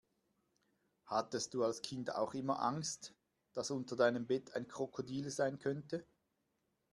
Hattest du als Kind auch immer Angst, dass unter deinem Bett ein Krokodil sein könnte?